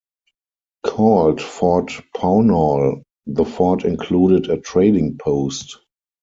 Called Fort Pownall, the fort included a trading post.